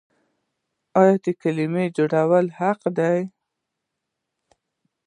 نوې کلمې جوړول حق دی.